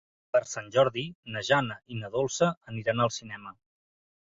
Per Sant Jordi na Jana i na Dolça aniran al cinema.